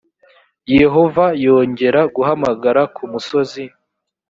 yehova yongera guhamagara ku musozi